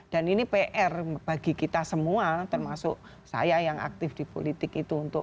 dan ini pr bagi kita semua termasuk saya yang aktif di politik itu untuk